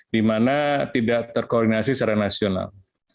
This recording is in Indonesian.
di mana tidak terkoordinasi secara nasional